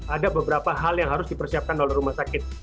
ada beberapa hal yang harus dipersiapkan oleh rumah sakit